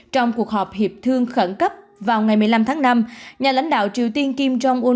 trong cuộc họp hiệp thương khẩn cấp vào ngày một mươi năm tháng năm nhà lãnh đạo triều tiên kim jong un